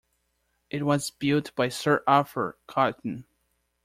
It was built by Sir Arthur Cotton.